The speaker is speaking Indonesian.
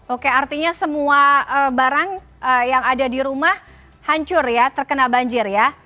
oke artinya semua barang yang ada di rumah hancur ya terkena banjir ya